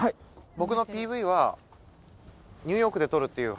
僕のＰＶはニューヨークで撮るっていう話だった。